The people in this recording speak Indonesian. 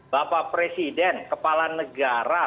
bapak presiden kepala negara